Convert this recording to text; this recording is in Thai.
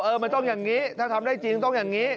มันต้องอย่างนี้ถ้าทำได้จริงต้องอย่างนี้